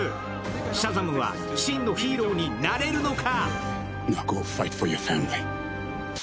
シャザムは真のヒーローになれるのか。